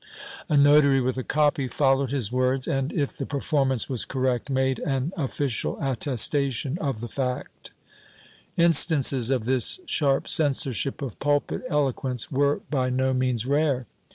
A notary with a copy followed his words and, if the performance was correct, made an official attestation of the fact/ Instances of this sharp censorship of pulpit eloquence were by no means rare.